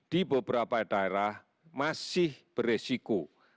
di beberapa daerah masih beresiko